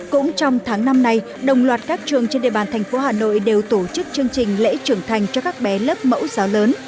cũng trong tháng năm này đồng loạt các trường trên địa bàn thành phố hà nội đều tổ chức chương trình lễ trưởng thành cho các bé lớp mẫu giáo lớn